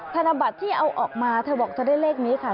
ธนบัติที่เอาออกมาเธอบอกจะได้เลขนี้ค่ะ๐๕๕๓๑๕๕